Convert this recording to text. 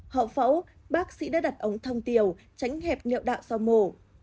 hậu phẫu bác sĩ đã đặt ống thông tiều tránh hẹp niệm đạo do mổ